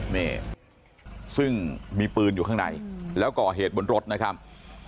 นี่ซึ่งมีปืนอยู่ข้างในแล้วก่อเหตุบนรถนะครับ